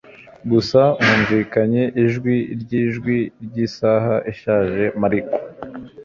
gusa humvikanye ijwi ryijwi ryisaha ishaje Mariko